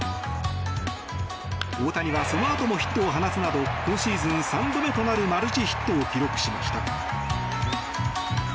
大谷はそのあともヒットを放つなど今シーズン３度目となるマルチヒットを記録しました。